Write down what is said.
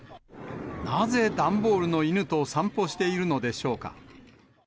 なぜ段ボールの犬と散歩しているのでしょうか。